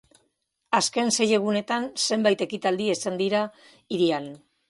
Azken sei egunetan, zenbait ekitaldi izan dira hirian.